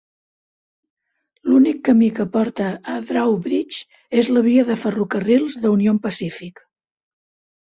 L'únic camí que porta a Drawbridge és la via de ferrocarrils de Union Pacific.